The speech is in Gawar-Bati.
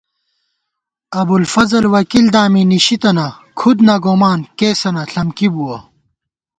ابُوالفضل وکیل دامی نِشی تنہ کھُد نہ گومان کېسَنہ ݪم کی بُوَہ